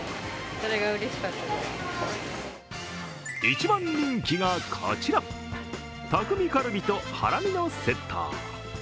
一番人気がこちら、匠カルビとハラミのセット。